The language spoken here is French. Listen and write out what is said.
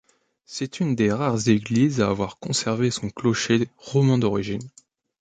C'est une des rares églises à avoir conservé son clocher roman d'origine.